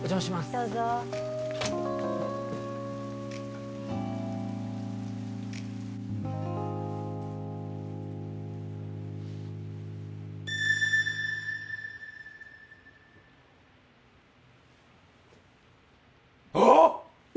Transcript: どうぞああっ！